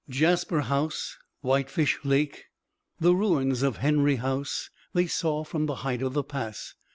Jasper House, Whitefish Lake, the ruins of Henry House, they saw from the height of the pass.